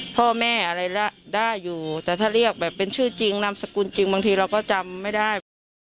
พ่อแม่อะไรละได้อยู่แต่ถ้าเรียกแบบเป็นชื่อจริงนามสกุลจริงบางทีเราก็จำไม่ได้ว่า